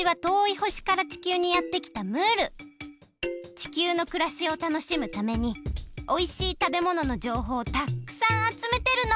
地球のくらしを楽しむためにおいしい食べもののじょうほうをたっくさんあつめてるの！